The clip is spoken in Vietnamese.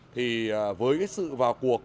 thì với cái sự vào cuộc